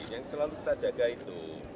yang selalu kita jaga itu